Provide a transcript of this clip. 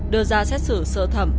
đưa ra xét xử sở thẩm